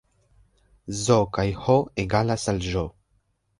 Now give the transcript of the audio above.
Z kaj H egalas al Ĵ